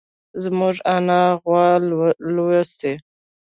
زموږ انا غوا لوسي.